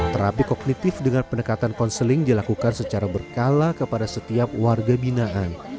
terapi kognitif dengan pendekatan konseling dilakukan secara berkala kepada setiap warga binaan